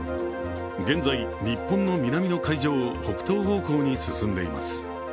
現在、日本の南の海上を北東方向に進んでいます。